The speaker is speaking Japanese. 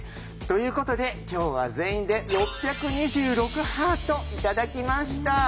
ということで今日は全員で６２６ハート頂きました。